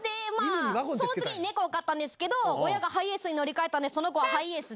その次、猫を飼ったんですけど、親がハイエースに乗り換えたんで、その子はハイエースと。